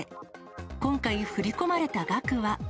今回、振り込まれた額は。